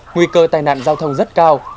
nguy cơ tai nạn giao thông rất cao